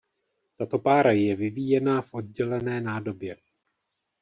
Tato pára je vyvíjená v oddělené nádobě.